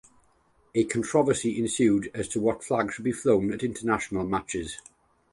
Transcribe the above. A controversy ensued as to what flag should be flown at international matches.